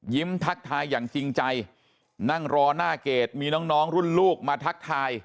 ทักทายอย่างจริงใจนั่งรอหน้าเกรดมีน้องรุ่นลูกมาทักทาย